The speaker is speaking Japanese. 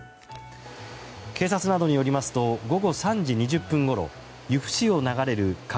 警察などによりますと午後３時２０分ごろ由布市を流れる花